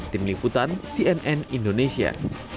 tim liputan cnn indonesia